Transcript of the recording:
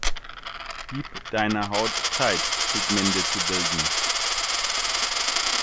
Gib deiner Haut Zeit, Pigmente zu bilden.